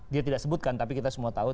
dia tidak sebutkan tapi kita semua tahu